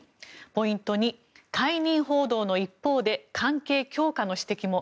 ポイント２、解任報道の一方で関係強化の指摘も。